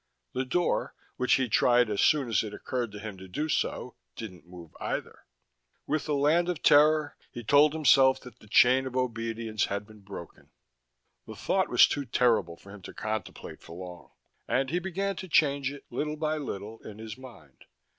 The door, which he tried as soon as it occurred to him to do so, didn't move either. With a land of terror he told himself that the chain of obedience had been broken. That thought was too terrible for him to contemplate for long, and he began to change it, little by little, in his mind.